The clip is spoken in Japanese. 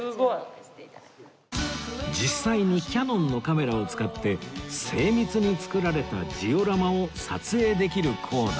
実際にキヤノンのカメラを使って精密に作られたジオラマを撮影できるコーナー